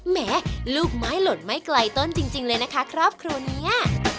แม่ลูกไม้หล่นไม่ไกลต้นจริงเลยนะคะครอบครัวนี้